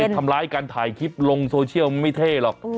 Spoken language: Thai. ทำร้ายการถ่ายคลิปลงโซเชียลมันไม่เท่หรอก